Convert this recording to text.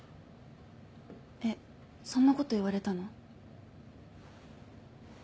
えそんなこと言われたの？